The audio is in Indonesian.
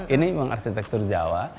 ini memang arsitektur jawa